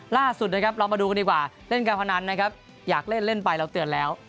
ล่าสุดเรามาดูกันดีกว่าเล่นการพนันอยากเล่นเล่นไปเราเตือนแล้ว